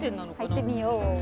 入ってみよう。